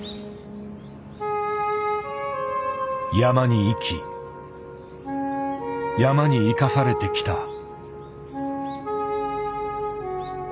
山に生き山に生かされてきた。